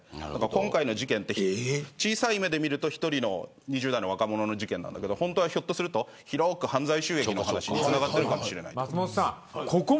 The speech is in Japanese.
今回の事件は小さい目で見ると１人の２０代の若者の事件ですがひょっとすると本当は広く犯罪収益の話につながってるかもしれない。